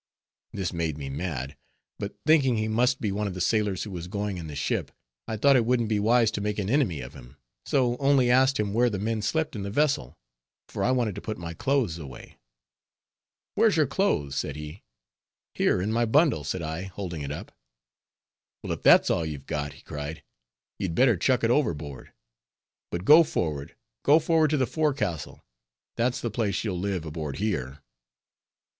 This made me mad; but thinking he must be one of the sailors who was going in the ship, I thought it wouldn't be wise to make an enemy of him, so only asked him where the men slept in the vessel, for I wanted to put my clothes away. "Where's your clothes?" said he. "Here in my bundle," said I, holding it up. "Well if that's all you've got," he cried, "you'd better chuck it overboard. But go forward, go forward to the forecastle; that's the place you'll live in aboard here."